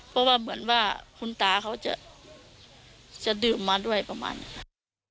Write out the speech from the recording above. เพราะว่าเหมือนว่าคุณตาเขาจะดื่มมาด้วยประมาณนี้ค่ะ